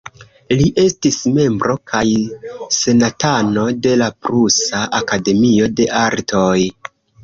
Li estis membro kaj senatano de la Prusa Akademio de Artoj.